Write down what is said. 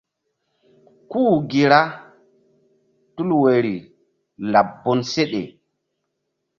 ́U gi ra tul woyri laɓ bonseɗe.